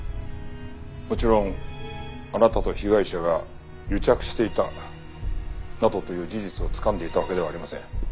もちろんあなたと被害者が癒着していたなどという事実をつかんでいたわけではありません。